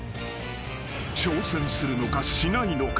［挑戦するのかしないのか。